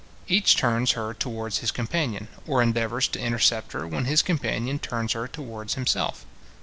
Each turns her towards his companion, or endeavours to intercept her when his companion turns her towards himself.